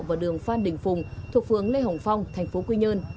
và đường phan đình phùng thuộc phường lê hồng phong thành phố quy nhơn